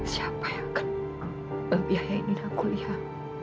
siapa yang akan membiayai nina kuliah